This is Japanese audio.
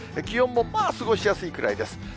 気温もまあ、過ごしやすいくらいです。